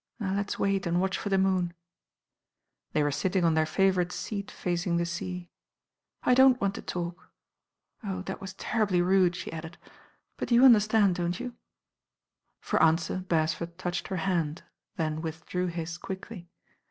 Now let's wait and watch for the moon." They were sitting on their favourite seat facing the sea. "I don't want to talk. Oh, that was terribly rude," she added; "but you understand, don't you?" For answer Beresford touched her hand, then withdrew his quickly.